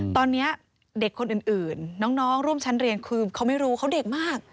ตอนนี้เด็กคนอื่นน้องร่วมชั้นเรียนคือเขาไม่รู้เขาเด็กมาก